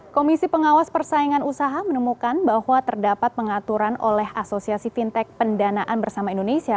komisi pengawas persaingan usaha menemukan bahwa terdapat pengaturan oleh asosiasi fintech pendanaan bersama indonesia